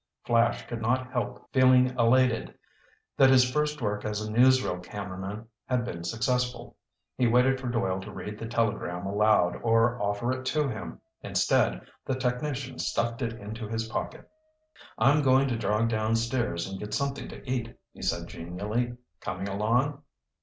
Flash could not help feeling elated that his first work as a newsreel cameraman had been successful. He waited for Doyle to read the telegram aloud or offer it to him. Instead, the technician stuffed it into his pocket. "I'm going to jog downstairs and get something to eat," he said genially. "Coming along?"